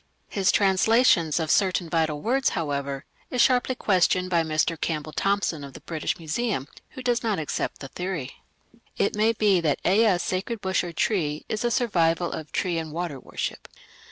His translations of certain vital words, however, is sharply questioned by Mr. R. Campbell Thompson of the British Museum, who does not accept the theory. It may be that Ea's sacred bush or tree is a survival of tree and water worship.